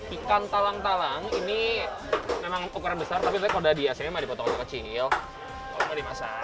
ikan talang talang ini memang ukuran besar tapi kalau udah di acm dipotong kecil kalau mau dimasak